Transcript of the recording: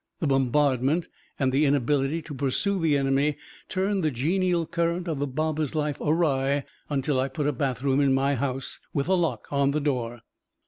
The bombardment, and the inability to pursue the enemy, turned the genial current of the Baba's life awry until I put a bathroom in my house, with a lock on the door.